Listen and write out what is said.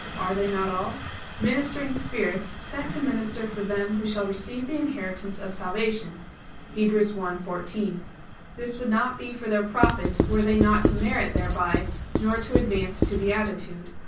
'Are they not all ...?'] ministering spirits, sent to minister for them who shall receive the inheritance of salvation" (Heb. 1:14). This would not be for their profit were they not to merit thereby, nor to advance to beatitude.